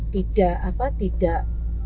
tidak apa tidak